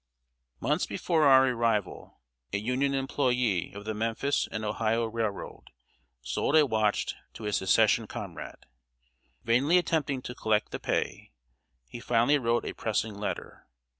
"] Months before our arrival, a Union employé of the Memphis and Ohio Railroad sold a watch to a Secession comrade. Vainly attempting to collect the pay, he finally wrote a pressing letter.